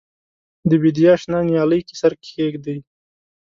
د بیدیا شنه نیالۍ کې سر کښېږدي